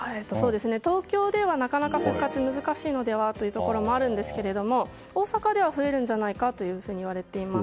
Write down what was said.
東京では、なかなか復活が難しいのではというところもあるんですが大阪では増えるんじゃないかといわれています。